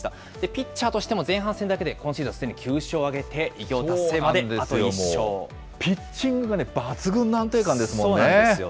ピッチャーとしても前半戦だけで今シーズンすでに９勝を挙げて、ピッチングが抜群の安定感でそうなんですよ。